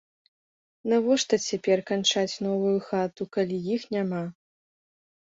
Навошта цяпер канчаць новую хату, калі іх няма.